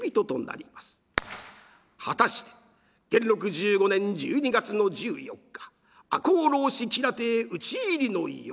果たして元禄１５年１２月の１４日赤穂浪士吉良邸討ち入りの夜。